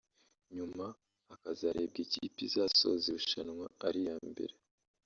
nyuma hakazarebwa ikipe izasoza irushanwa ari iya mbere